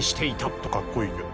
ちょっと格好いいけど。